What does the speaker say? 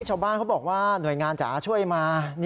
ชาวบ้านเขาบอกว่าหน่วยงานจ๋าช่วยมา